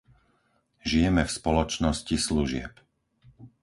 Žijeme v spoločnosti služieb.